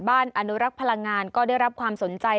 อนุรักษ์พลังงานก็ได้รับความสนใจ